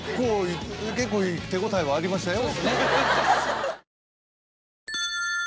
結構手応えはありましたよ。